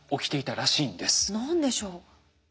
何でしょう？